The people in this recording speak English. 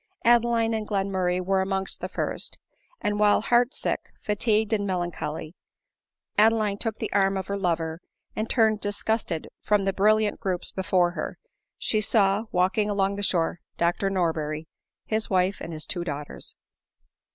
Adeline and Glenmurray were amongst the first ; and, while heart sick, fatigued, and melancholy, Adeline took the arm of her lover, and ' turned disgusted from the brilliant groups before her, she saw, walking along the shore, Dr Norberry, his wife, and his two daughters.